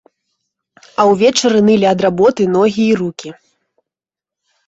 А ўвечары нылі ад работы ногі і рукі.